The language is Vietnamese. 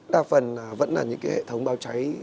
đa phần vẫn là những cái hệ thống báo cháy